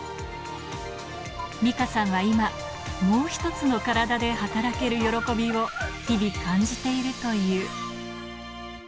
ミカさんは今、もう一つのカラダで働ける喜びを日々感じているという。